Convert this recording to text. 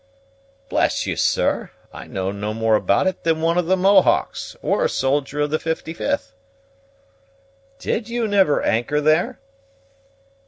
"Bless you, sir! I know no more about it than one of the Mohawks, or a soldier of the 55th." "Did you never anchor there?"